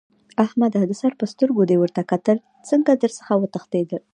احمده! د سر په سترګو دې ورته کتل؛ څنګه در څخه وتښتېدل؟!